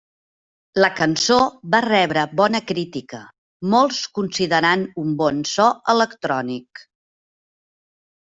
La cançó va rebre bona crítica, molts considerant un bon so electrònic.